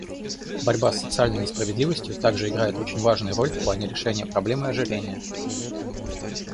Борьба с социальной несправедливостью также играет очень важную роль в плане решения проблемы ожирения.